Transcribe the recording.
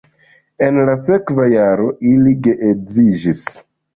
En la sekva jaro ili geedziĝis.